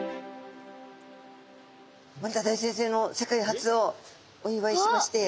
森田大先生の世界初をお祝いしまして。